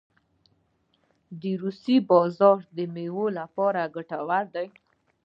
د روسیې بازار د میوو لپاره څنګه دی؟